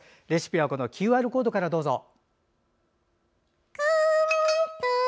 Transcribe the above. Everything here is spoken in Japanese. レシピはＱＲコードからどうぞ。